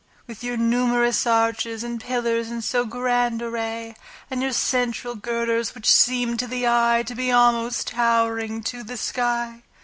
With your numerous arches and pillars in so grand array And your central girders, which seem to the eye To be almost towering to the sky.